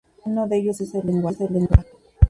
Uno de ellos es el lenguaje.